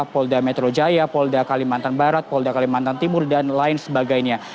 polda metro jaya polda kalimantan barat polda kalimantan timur dan lain sebagainya